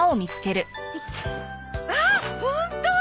あっホント！